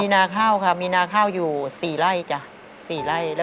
นาข้าวค่ะมีนาข้าวอยู่๔ไร่จ้ะ๔ไร่